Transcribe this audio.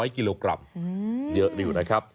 ๐กิโลกรัมเยอะอยู่นะครับ